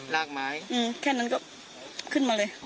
ลากไม้แค่นั้นก็ขึ้นมาเลย